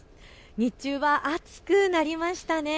日中は暑くなりましたね。